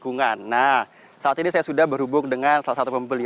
nah saat ini saya sudah berhubung dengan salah satu pembeli